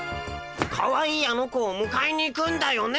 かわいいあの子をむかえに行くんだよね。